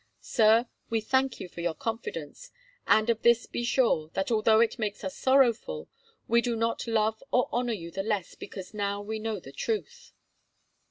Sir, we thank you for your confidence, and of this be sure, that although it makes us sorrowful, we do not love or honour you the less because now we know the truth."